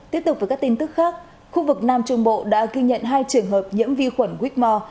tiếp tục với các tin tức khác khu vực nam trung bộ đã ghi nhận hai trường hợp nhiễm vi khuẩn whitmore